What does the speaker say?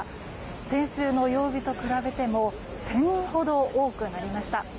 先週の曜日と比べても１０００人ほど多くなりました。